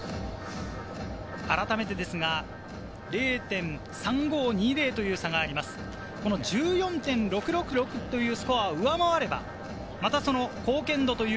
改めて０．３５２０という差があります。１４．６６６というスコアを上回れば、また貢献度という